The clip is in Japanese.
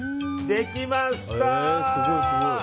できました！